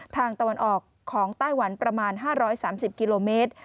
ตะวันออกของไต้หวันประมาณ๕๓๐กิโลเมตร